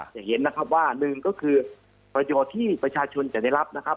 จะเห็นนะครับว่าหนึ่งก็คือประโยชน์ที่ประชาชนจะได้รับนะครับ